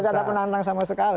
tidak ada penantang sama sekali